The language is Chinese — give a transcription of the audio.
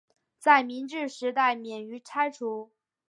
在明治时代免于拆除。